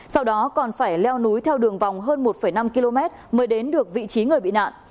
sau đó còn phải leo núi theo đường vòng hơn một năm km mới đến được vị trí người bị nạn